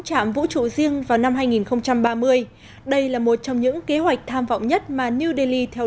chạm vũ trụ riêng vào năm hai nghìn ba mươi đây là một trong những kế hoạch tham vọng nhất mà new delhi theo